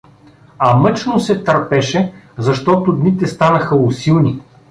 А мъчно се търпеше, защото дните станаха усилни.